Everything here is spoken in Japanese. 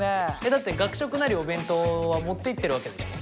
だって学食なりお弁当は持っていってるわけでしょ？